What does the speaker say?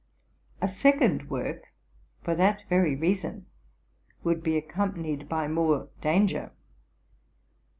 A second work, for that very reason, would be accompanied by more danger.